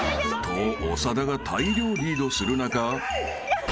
［と長田が大量リードする中］